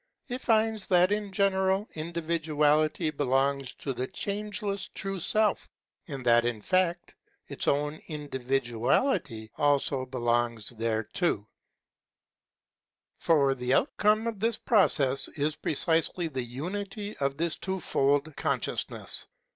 It finds that in general individuality belongs to the changeless true Self, and PHENOMENOLOGY OF THE SPIRIT 617 •iat in fact its own individuality also belongs thereto. For the outcome of this process is precisely the unity Of this twofold consciousness.